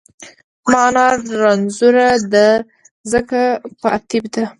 زما انا رنځورۀ دۀ ځکه په اتېب دۀ